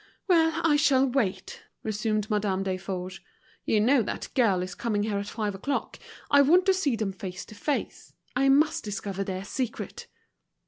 "Well, I shall wait," resumed Madame Desforges. "You know that girl is coming here at five o'clock, I want to see them face to face. I must discover their secret."